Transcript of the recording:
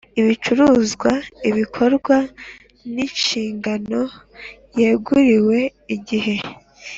Ibicuruzwa ibikorwa n inshingano yeguriwe igihe